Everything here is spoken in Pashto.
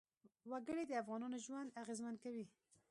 وګړي د افغانانو ژوند اغېزمن کوي.